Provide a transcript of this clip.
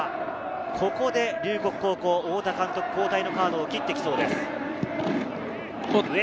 ここで龍谷高校・太田監督、交代のカードを切ってきそうです。